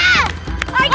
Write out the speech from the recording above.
mas apaan itu